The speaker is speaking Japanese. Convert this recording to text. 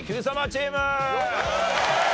チーム！